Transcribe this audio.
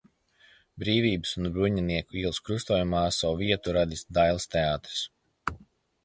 Brīvības un Bruņinieku ielas krustojumā savu vietu radis Dailes teātris.